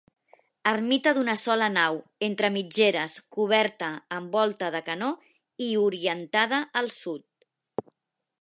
Ermita d'una sola nau, entre mitgeres, coberta amb volta de canó i orientada al sud.